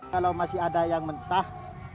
kalau masih ada yang mentah